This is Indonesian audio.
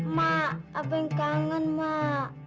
maaak abeng kangen maaak